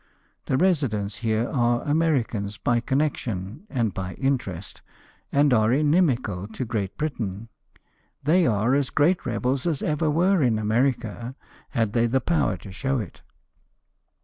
The residents here are Americans by connection and by interest, and are inimical to Great Britain. They are as great rebels as ever were in America, had they the power to show it."